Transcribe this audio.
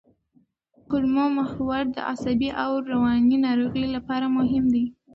کولمو محور د عصبي او رواني ناروغیو لپاره مهم دی.